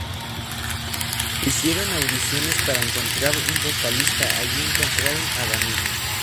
Hicieron audiciones para encontrar un vocalista, allí encontraron a Danilo.